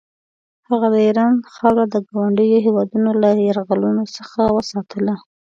هغه د ایران خاوره د ګاونډیو هېوادونو له یرغلونو څخه وساتله.